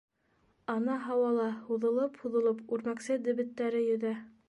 Ана һауала һуҙылып-һуҙылып үрмәксе дебеттәре йөҙә.